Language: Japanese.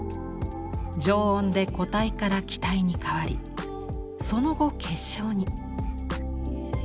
常温で固体から気体に変わりその後結晶に。